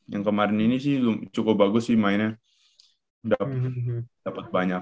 yang kemarin ini sih cukup bagus sih mainnya